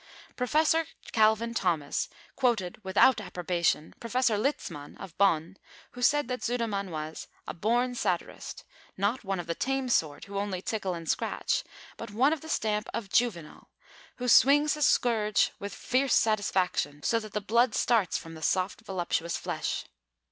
Professor Calvin Thomas quoted (without approbation) Professor Litzmann of Bonn, who said that Sudermann was "a born satirist, not one of the tame sort who only tickle and scratch, but one of the stamp of Juvenal, who swings his scourge with fierce satisfaction so that the blood starts from the soft, voluptuous flesh."